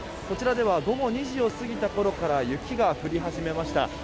こちらでは午後２時を過ぎたころから雪が降り始めました。